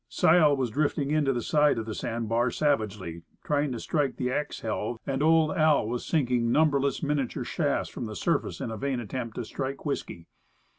Sile was drifting into the side of the sandbar savagely, trying to strike the axe helve, and old Al. was sinking numberless miniature shafts from the surface in a vain attempt to strike whisky.